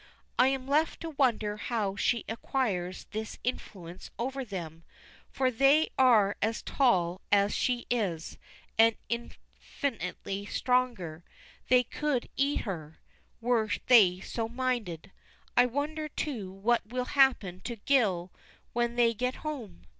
I am left to wonder how she acquires this influence over them, for they are as tall as she is and infinitely stronger they could eat her, were they so minded. I wonder too what will happen to Gil when they get home?